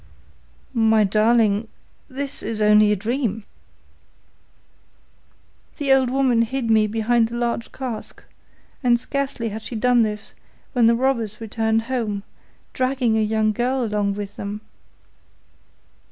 'My darling, this is only a dream.' 'The old woman hid me behind a large cask, and scarcely had she done this when the robbers returned home, dragging a young girl along with them.